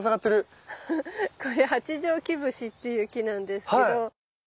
これハチジョウキブシっていう木なんですけど。